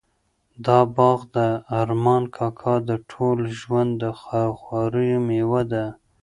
دا باغ د ارمان کاکا د ټول ژوند د خواریو مېوه ده.